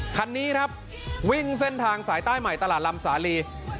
คันนี้ครับวิ่งเส้นทางสายใต้ใหม่ตลาดลำสาลี